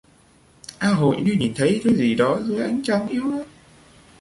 A hội như nhìn thấy thứ gì đó dưới ánh trăng yếu ớt